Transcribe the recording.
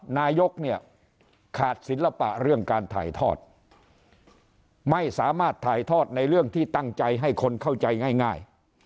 นายกเนี่ยขาดศิลปะเรื่องการถ่ายทอดไม่สามารถถ่ายทอดในเรื่องที่ตั้งใจให้คนเข้าใจง่าย